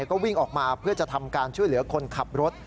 ก็วิ่งออกมาเพื่อจะทำการช่วยเหลือคนขับรถ